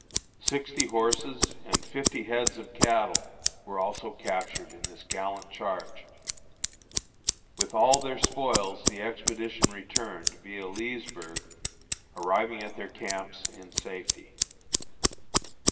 Sixty horses and fifty heads of cattle were also captured in this gallant charge. With all their spoils the expedition returned, via Leesburg, arriving at their camps in safety.